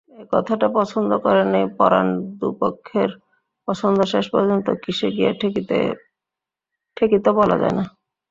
একথাটা পছন্দ করে নাই পরাণ দুপক্ষের পছন্দ শেষপর্যন্ত কিসে গিয়া ঠেকিত বলা যায় না।